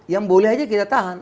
yang boleh aja kita tahan